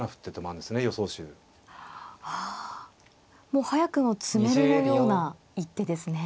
もう早くも詰めろのような一手ですね。